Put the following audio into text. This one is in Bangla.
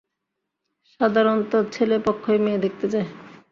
সাধারণত ছেলে পক্ষই মেয়ে দেখতে যায়।